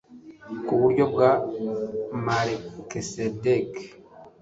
ku buryo bwa Malekisedeki